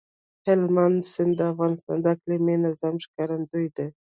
هلمند سیند د افغانستان د اقلیمي نظام ښکارندوی ده.